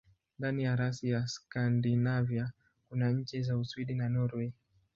Ndani ya rasi ya Skandinavia kuna nchi za Uswidi na Norwei.